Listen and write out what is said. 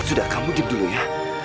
sudah kamu gim dulu ya